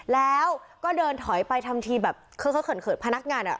แล้วก็เดินถอยไปทำทีแบบเขินพนักงานอ่ะ